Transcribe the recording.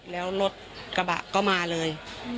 แล้วรถกระบะก็มาเลย